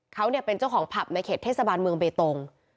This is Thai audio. เขาเป็นเจ้าของผับในเขตเทศบาลเมืองเบตง